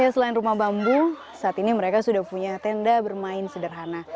selain rumah bambu saat ini mereka sudah punya tenda bermain sederhana